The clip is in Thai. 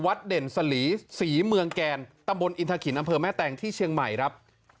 เด่นสลีศรีเมืองแกนตำบลอินทะขินอำเภอแม่แตงที่เชียงใหม่ครับ